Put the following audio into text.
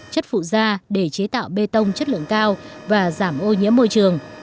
chất phụ da để chế tạo bê tông chất lượng cao và giảm ô nhiễm môi trường